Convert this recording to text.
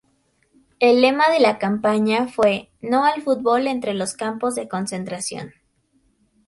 El lema de la campaña fue "No al fútbol entre los campos de concentración".